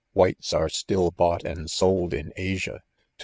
f Whites are stillhought and sold in Asia, to.